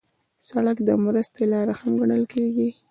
سړک د مرستې لاره هم ګڼل کېږي.